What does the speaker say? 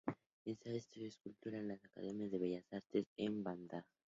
Al Safi, estudió escultura en la "Academia de Bellas Artes" en Bagdad.